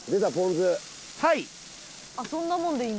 はい。